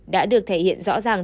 đã được thể hiện rõ ràng